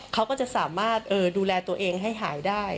เขาก็จะสามารถดูแลตัวเองให้หายได้